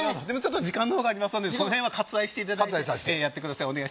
でも時間の方がありますのでその辺は割愛していただいてやってください